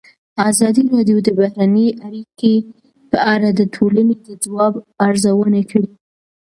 ازادي راډیو د بهرنۍ اړیکې په اړه د ټولنې د ځواب ارزونه کړې.